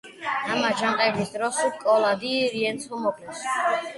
ამ აჯანყების დროს კოლა დი რიენცო მოკლეს.